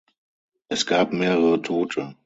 Es gab mehrere Tote.